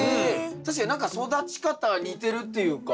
確かに何か育ち方似てるっていうか。